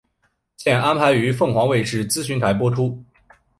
现安排于凤凰卫视资讯台播出。